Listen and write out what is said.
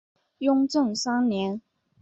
雍正三年。